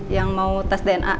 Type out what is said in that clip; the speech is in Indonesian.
yang mau tes dna